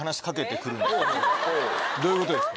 どういうことですか？